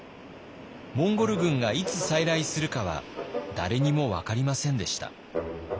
モンゴル軍がいつ再来するかは誰にも分かりませんでした。